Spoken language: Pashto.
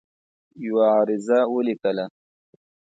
یوه عریضه ولیکله.